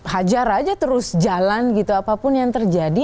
hajar aja terus jalan gitu apapun yang terjadi